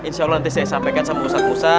insya allah nanti saya sampaikan sama ustad musa